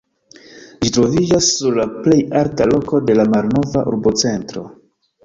Ĝi troviĝas sur la plej alta loko de la malnova urbocentro.